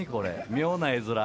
妙な画づら。